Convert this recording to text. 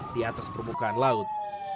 di atas permukaan laut